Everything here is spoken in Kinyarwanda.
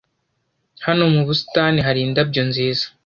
hano mu busitani hari indabyo nziza